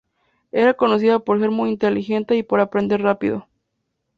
Era conocida por ser muy inteligente y por aprender rápido.